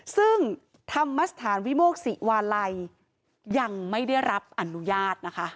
ซึ่งธรรมสถานวิโมกศิวาลัยยังไม่ได้รับอนุญาตนะคะ